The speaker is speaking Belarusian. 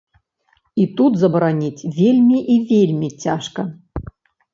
І тут забараніць вельмі і вельмі цяжка.